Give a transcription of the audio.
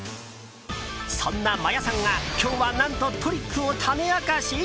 そんな魔耶さんが今日は何とトリックを種明かし？